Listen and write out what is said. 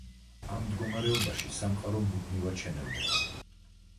ამ მდგომარეობაში, სამყარო მუდმივად შენელდება.